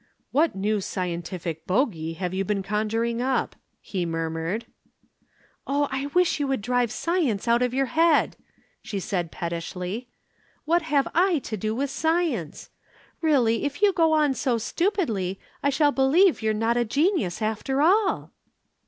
"What new scientific bogie have you been conjuring up." he murmured. "Oh, I wish you would drive science out of your head," she replied pettishly. "What have I to do with science? Really, if you go on so stupidly I shall believe you're not a genius after all."